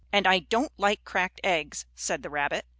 "And I don't like cracked eggs," said the rabbit.